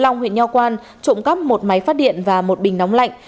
công an huyện nho quang trộm cắp một máy phát điện và một bình nóng lạnh